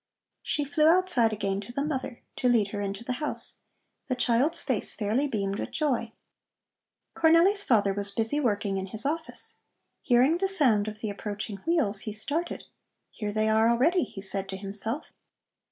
She flew outside again to the mother, to lead her into the house. The child's face fairly beamed with joy. Cornelli's father was busy working in his office. Hearing the sound of the approaching wheels, he started. "Here they are already," he said to himself.